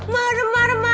marah marah marah mulu